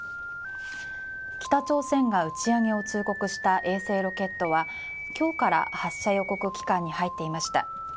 北朝鮮が打ち上げを通告した衛星ロケットは今日から発射予告期間に入っていました。